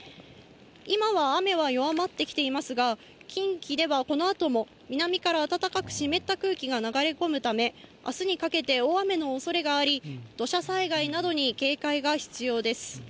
今は雨は弱まってきていますが、近畿ではこのあとも、南から暖かく湿った空気が流れ込むため、あすにかけて大雨のおそれがあり、土砂災害などに警戒が必要です。